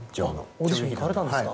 オーディションに行かれたんですか。